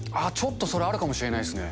それ、あるかもしれないですね。